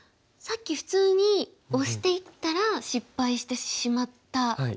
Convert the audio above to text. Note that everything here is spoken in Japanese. さっき普通にオシていったら失敗してしまった。